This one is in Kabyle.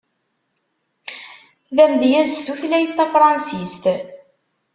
D amedyaz s tutlayt tafransist.